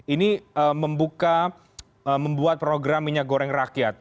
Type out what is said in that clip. ini membuat program minyak goreng rakyat